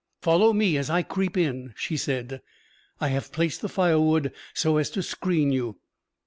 "Follow me as I creep in," she said. "I have placed the firewood so as to screen you.